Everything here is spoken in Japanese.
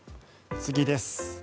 次です。